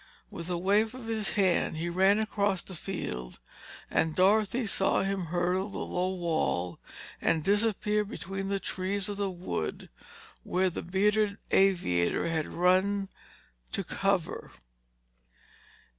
With a wave of his hand, he ran across the field and Dorothy saw him hurdle the low wall and disappear between the trees of the wood where the bearded aviator had run to cover.